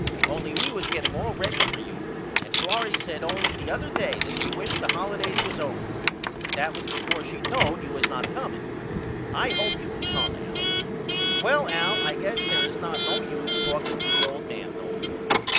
Only we was getting all ready for you and Florrie said only the other day that she wished the holidays was over but that was before she knowed you was not comeing. I hope you can come Al. Well Al I guess there is not no use talking to the old man no more.